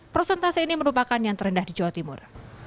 prosentase ini merupakan yang terendah di jawa timur